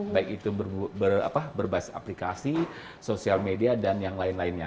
baik itu berbasis aplikasi sosial media dan yang lain lainnya